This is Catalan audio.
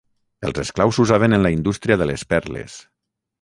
Els esclaus s'usaven en la indústria de les perles.